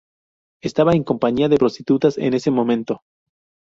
Estaba en compañía de prostitutas en ese momento.